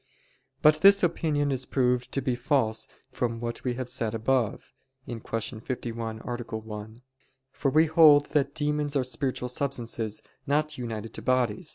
But this opinion is proved to be false from what we have said above (Q. 51, A. 1): for we hold that demons are spiritual substances not united to bodies.